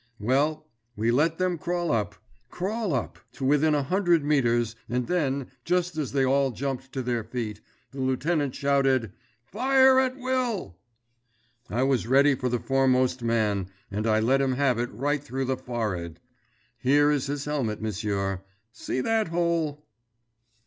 "Well, we let them crawl up, crawl up, to within a hundred meters and then just as they all jumped to their feet, the lieutenant shouted: 'Fire at will!' I was ready for the foremost man, and I let him have it right through the forehead. Here is his helmet, monsieur; see that hole?"